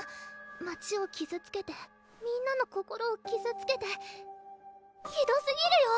街を傷つけてみんなの心を傷つけてひどすぎるよ